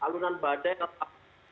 alunan badai apa gitu